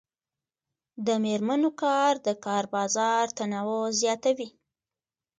د میرمنو کار د کار بازار تنوع زیاتوي.